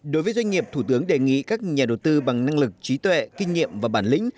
đối với doanh nghiệp thủ tướng đề nghị các nhà đầu tư bằng năng lực trí tuệ kinh nghiệm và bản lĩnh